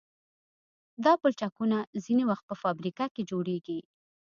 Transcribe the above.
دا پلچکونه ځینې وخت په فابریکه کې جوړیږي